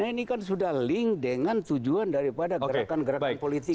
karena ini kan sudah link dengan tujuan daripada gerakan gerakan politik